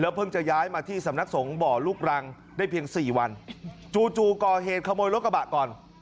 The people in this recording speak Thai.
เพิ่งจะย้ายมาที่สำนักสงฆ์บ่อลูกรังได้เพียง๔วันจู่ก่อเหตุขโมยรถกระบะก่อน